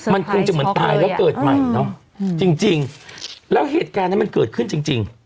มันคงจะเหมือนตายแล้วเกิดใหม่เนอะจริงแล้วเหตุการณ์นั้นมันเกิดขึ้นจริง